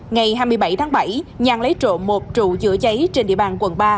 ngày hai mươi bảy tháng bảy nhàn lấy trộm một trụ chữa cháy trên địa bàn quận ba